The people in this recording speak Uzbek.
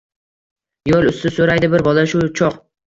Yo‘l usti, so‘raydi bir bola shu choq.